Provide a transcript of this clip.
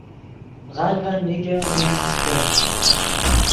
غلڤن نیگے من کیستے